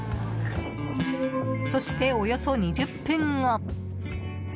そして、およそ２０分後。